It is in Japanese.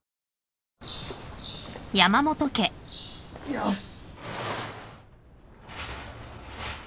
よし。